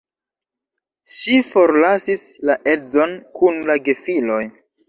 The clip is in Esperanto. Ŝi forlasis la edzon kun la gefiloj.